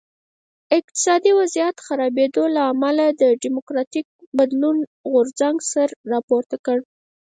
د اقتصادي وضعیت خرابېدو له امله د ډیموکراټیک بدلون غورځنګ سر راپورته کړ.